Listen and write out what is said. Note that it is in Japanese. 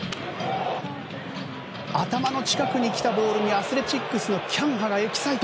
頭の近くに来たボールにアスレチックスのキャンハがエキサイト。